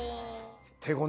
手ごね